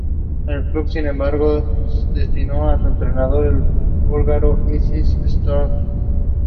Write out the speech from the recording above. The rest of the walls was probably washed by the sea.